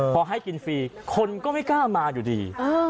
พอให้กินฟรีคนก็ไม่กล้ามาอยู่ดี